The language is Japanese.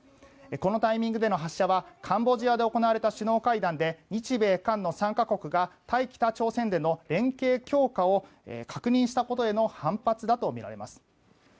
このタイミングでの発射はカンボジアで行われた首脳会談で日米韓の３か国が対北朝鮮での連携強化を確認したことへの反発だとみられます。